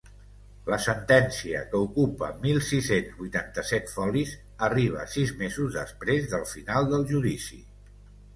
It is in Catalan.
La sentència, que ocupa mil sis-cents vuitanta-set folis, arriba sis mesos després del final del judici.